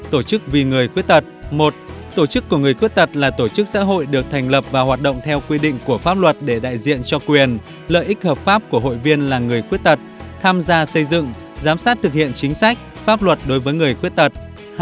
ba tổ chức vì người khuyết tật là tổ chức xã hội được thành lập và hoạt động theo quy định của pháp luật để thực hiện các hoạt động trợ giúp người khuyết tật